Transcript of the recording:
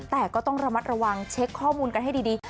แต่ก็ต้องระมัดระวังเช็คข้อมูลกันให้ดี